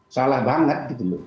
salah banget gitu loh